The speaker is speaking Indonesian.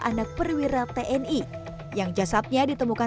anak perwira tni yang jasadnya ditemukan